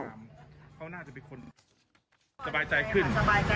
สบายใจขึ้นสบายใจขึ้น